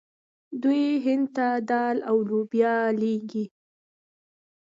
دوی هند ته دال او لوبیا لیږي.